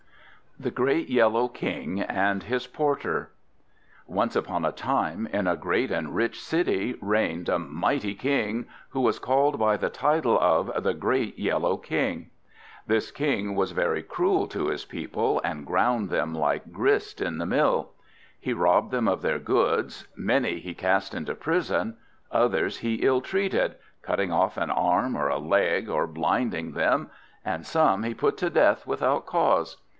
THE GREAT YELLOW KING AND HIS PORTER Once upon a time, in a great and rich city, reigned a mighty King, who was called by the title of the Great Yellow King. This King was very cruel to his people, and ground them like grist in the mill; he robbed them of their goods, many he cast into prison, others he ill treated, cutting off an arm, or a leg, or blinding them, and some he put to death without cause.